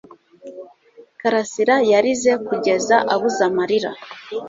Karasira yarize kugeza abuze amarira.